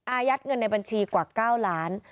อายัดเงินในบัญชีกว่า๙ล้าน